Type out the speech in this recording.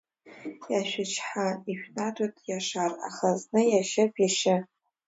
Иаашәычҳа, ишәнаҭоит иашар, аха зны иашьып, иашьы!